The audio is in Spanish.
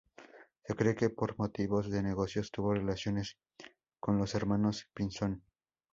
Se cree que por motivos de negocios tuvo relaciones con los hermanos Pinzón.